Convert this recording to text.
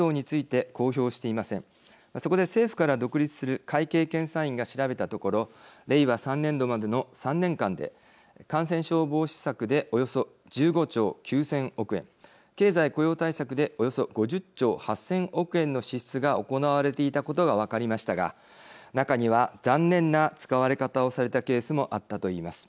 そこで政府から独立する会計検査院が調べたところ令和３年度までの３年間で感染症防止策でおよそ１５兆９，０００億円経済雇用対策でおよそ５０兆８，０００億円の支出が行われていたことが分かりましたが中には残念な使われ方をされたケースもあったといいます。